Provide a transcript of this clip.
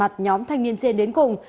và giằn mặt nhóm thanh niên trên đến cùng